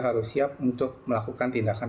harus siap untuk melakukan tindakan